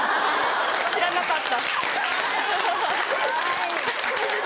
知らなかった。